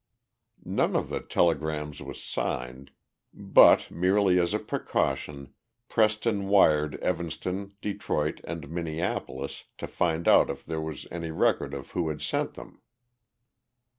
None of the telegrams was signed, but, merely as a precaution, Preston wired Evanston, Detroit, and Minneapolis to find out if there was any record of who had sent them.